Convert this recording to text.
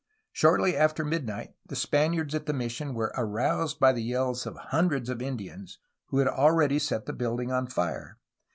Shortly after midnight the Spaniards at the mission were aroused by the yells of hundreds of Indians, who had already set the building on fire.